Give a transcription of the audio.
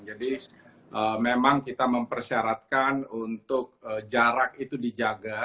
jadi memang kita mempersyaratkan untuk jarak itu dijaga